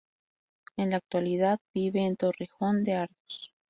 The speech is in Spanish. En la actualidad, vive en Torrejón de Ardoz.